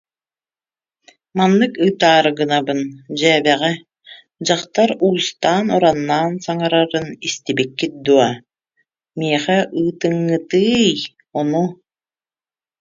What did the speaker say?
Маннык ыытаары гынабын, дьээбэҕэ: "Дьахтар уустаан-ураннаан саҥарарын истибиккит дуо? Миэхэ ыытыҥҥытыый, ону